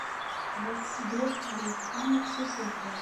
La d-ttedduɣ ɣer uxxam s usakal.